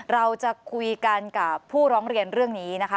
เราจะคุยกันกับผู้ร้องเรียนเรื่องนี้นะคะ